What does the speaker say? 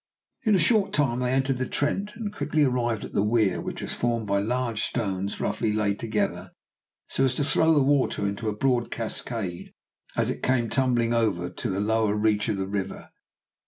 In a short time they entered the Trent, and quickly arrived at the weir, which was formed by large stones roughly laid together, so as to throw the water into a broad cascade, as it came tumbling over it to the lower reach of the river.